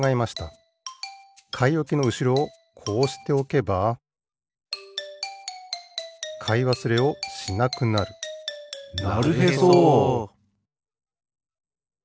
かいおきのうしろをこうしておけばかいわすれをしなくなるなるへそ！